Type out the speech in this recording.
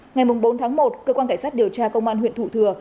ngày bốn tháng một cơ quan cảnh sát điều tra công an huyện thủ thừa